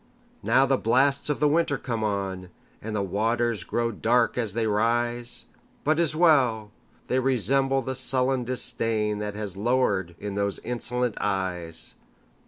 Now the blasts of the winter come on, And the waters grow dark as they rise! But 't is well!—they resemble the sullen disdainThat has lowered in those insolent eyes.